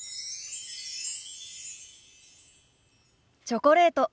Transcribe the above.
チョコレート。